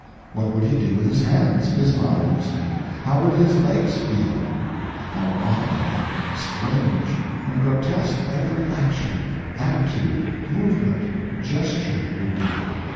What would he do with his hands, his arms? How would his legs feel? How odd, and strange, and grotesque every action, attitude, movement, gesture would be.